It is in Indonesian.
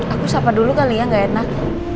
aku sapa dulu kali ya gak enak